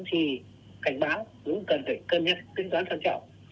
thì cảnh báo cũng cần phải cân nhắc tính toán cẩn trọng